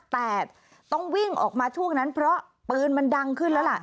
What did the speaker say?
แต่ต้องวิ่งออกมาช่วงนั้นเพราะปืนมันดังขึ้นแล้วล่ะ